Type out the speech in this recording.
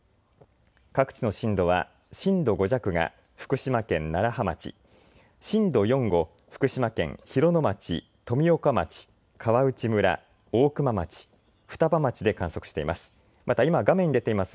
各地の震度は震度５弱が福島県楢葉町、震度４を福島県広野町、富岡町、川内村、大熊町、双葉町で観測しています。